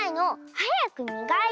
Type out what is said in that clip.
はやくみがいて！